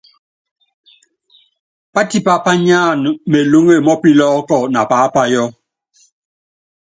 Pátipá pányáana melúŋe mɔ́ pilɔ́kɔ na paápayɔ́.